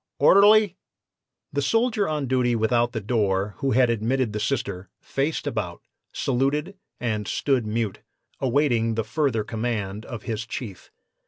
"'Orderly!' "The soldier on duty without the door, who had admitted the Sister, faced about, saluted and stood mute, awaiting the further command of his chief.